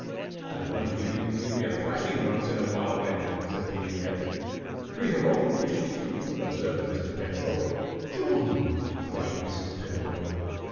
"I wonder you didn't give me a thrashing once in a while, then," said the Idiot. "We have often wished to," observed Mr. Pedagog. "John!" cried Mrs. Pedagog.